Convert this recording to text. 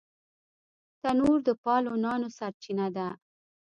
تنور د پالو نانو سرچینه ده